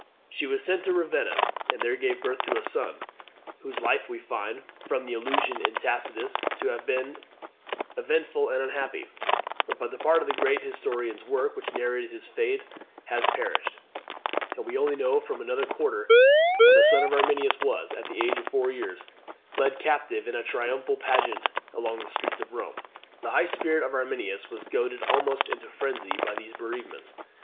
She was sent to Ravenna, and there gave birth to a son, whose life we find, from an allusion in Tacitus, to have been eventful and unhappy; but the part of the great historian's work which narrated his fate has perished, and we only know from another quarter that the son of Arminius was, at the age of four years, led captive in a triumphal pageant along the streets of Rome. The high spirit of Arminius was goaded almost into frenzy by these bereavements.